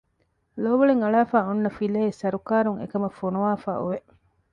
ލޯވަޅެއް އަޅާފައިއޮންނަ ފިލައެއް ސަރުކާރުން އެކަމަށް ފޮނުވާފައި އޮވެ